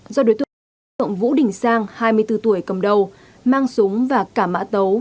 do đối tượng vũ đình sang hai mươi bốn tuổi cầm đầu mang súng và cả mã tấu